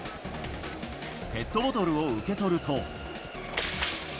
ペットボトルを受け取ると。